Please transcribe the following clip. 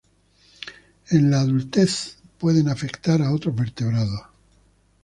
En la adultez, pueden afectar a otros vertebrados.